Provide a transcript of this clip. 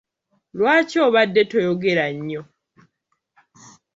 Lwaki obadde toyogera nnyo?